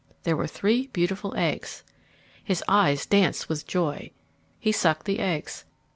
There were three beautiful eggs. His eyes danced with joy. He sucked the eggs.